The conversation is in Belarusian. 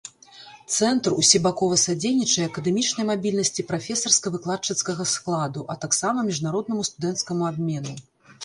Цэнтр усебакова садзейнічае акадэмічнай мабільнасці прафесарска-выкладчыцкага складу, а таксама міжнароднаму студэнцкаму абмену.